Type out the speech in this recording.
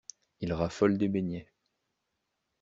Il raffole des beignets.